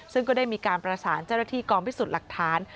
ซึ่งก็ได้มีการประสานเจ้าหน้าที่กองพิสูจน์หลักฐาน